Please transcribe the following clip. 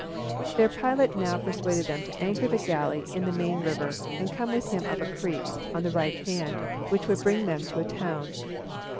Their pilot now persuaded them to anchor the galley in the main river, and come with him up a creek, on the right hand, which would bring them to a town.